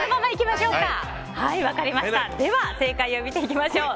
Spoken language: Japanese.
では、正解を見ていきましょう。